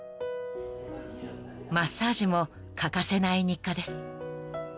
［マッサージも欠かせない日課です］